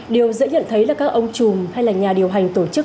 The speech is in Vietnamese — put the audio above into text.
điều dễ nhận thấy là các ông chùm hay là nhà điều hành tổ chức